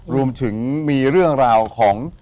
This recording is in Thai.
รวมถึงมีเรื่องราวของ